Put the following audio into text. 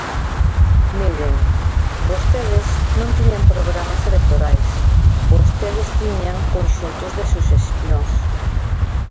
Miren, vostedes non tiñan programas electorais, vostedes tiñan conxuntos de suxestións.